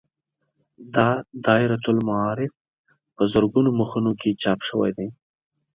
دا دایرة المعارف په زرګونو مخونو کې چاپ شوی دی.